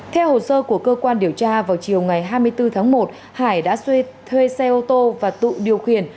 theo hồ sơ của cơ quan điều tra vào chiều ngày hai mươi bốn tháng một hải đã thuê xe ô tô và tụ điều khiển